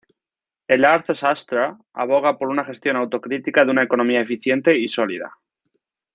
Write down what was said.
El "Artha-shastra" aboga por una gestión autocrática de una economía eficiente y sólida.